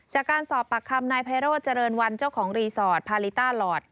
จากการสอบปากคำนายไพโรธเจริญวันเจ้าของรีสอร์ทพาลิต้าหลอด